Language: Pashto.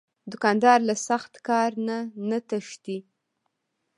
دوکاندار له سخت کار نه نه تښتي.